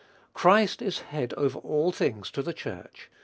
Christ is "head over all things to the Church."